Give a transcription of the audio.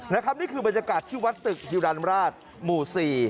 นี่คือบรรยากาศที่วัดตึกฮิวรรณราชหมู่๔